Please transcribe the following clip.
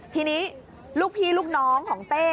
ทีนี้ลูกพี่ลูกน้องของเต้